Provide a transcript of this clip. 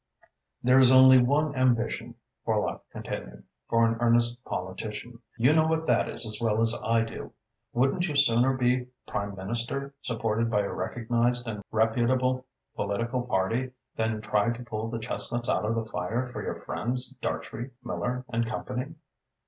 "There is only one ambition," Horlock continued, "for an earnest politician. You know what that is as well as I do. Wouldn't you sooner be Prime Minister, supported by a recognised and reputable political party, than try to pull the chestnuts out of the fire for your friends Dartrey, Miller and company?"